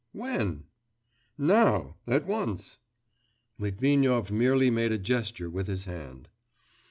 'When?' 'Now ... at once.' Litvinov merely made a gesture with his hand.